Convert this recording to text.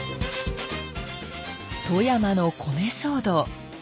富山の米騒動。